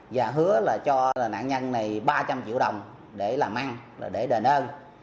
và hứa cho nạn nhân này ba trăm linh triệu đồng để làm ăn để đền ơn